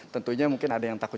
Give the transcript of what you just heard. tentunya mungkin ada yang takut